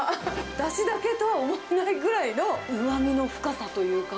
だしだけとは思えないぐらいの、うまみの深さというか。